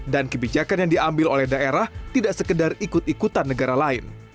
dan kebijakan yang diambil oleh daerah tidak sekedar ikut ikutan negara lain